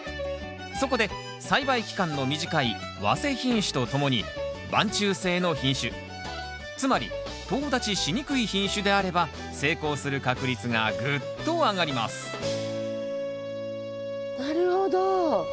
そこで栽培期間の短い早生品種とともに晩抽性の品種つまりとう立ちしにくい品種であれば成功する確率がぐっと上がりますなるほど。